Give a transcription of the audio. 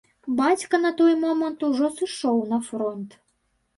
Бацька на той момант ужо сышоў на фронт.